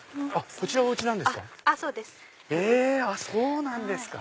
こちらお家なんですか？